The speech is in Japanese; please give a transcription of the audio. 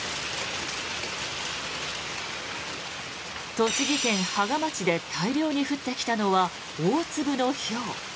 栃木県芳賀町で大量に降ってきたのは大粒のひょう。